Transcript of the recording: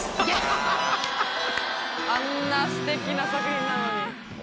あんなすてきな作品なのに。